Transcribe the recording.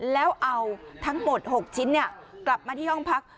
แล้วเอาทั้งหมด๖ชิ้นกลับมาที่ห้องพัก